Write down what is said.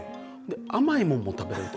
甘いもんも食べれると。